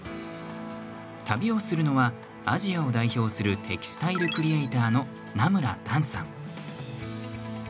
旅をするのは、アジアを代表するテキスタイルクリエーターの南村弾さん。